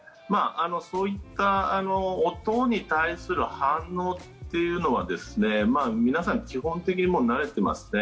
そういった音に対する反応というのは皆さん、基本的にもう慣れてますね。